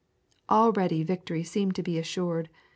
Already victory seemed to be assured.